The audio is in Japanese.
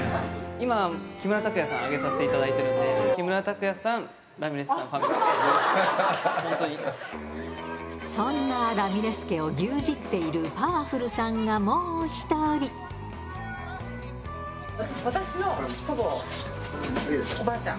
今、木村拓哉さん、挙げさせていただいてるんで、木村拓哉さん、そんなラミレス家を牛耳って私の祖母、おばあちゃん。